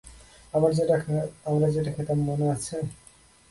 আমরা যেটা খেতাম মনে আছে?